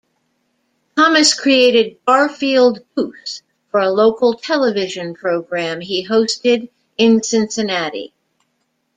Thomas created Garfield Goose for a local television program he hosted in Cincinnati.